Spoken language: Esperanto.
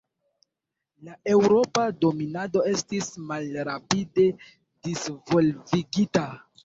La eŭropa dominado estis malrapide disvolvigita.